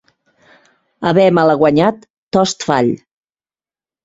Haver malaguanyat, tost fall.